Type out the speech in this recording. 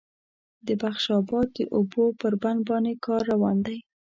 د بخش آباد د اوبو پر بند باندې کار روان دی